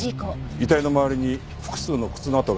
遺体の周りに複数の靴の跡があります。